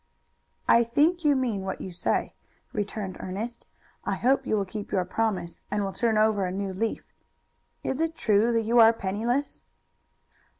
"I think you mean what you say," returned Ernest. "I hope you will keep your promise and will turn over a new leaf. Is it true that you are penniless?"